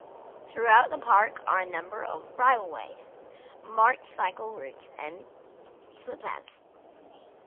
Throughout the park are a number of bridleways, marked cycle routes and footpaths.